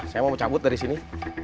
saya mau cabut dari sini